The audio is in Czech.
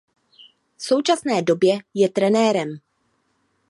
V současné době je trenérem.